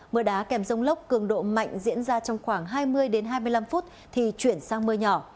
mưa đá kèm rông lốc cường độ mạnh diễn ra trong khoảng hai mươi hai mươi năm phút thì chuyển sang mưa nhỏ